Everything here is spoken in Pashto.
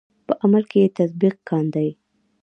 په عمل کې یې تطبیق کاندئ.